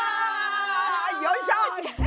よいしょ！